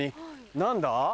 何だ？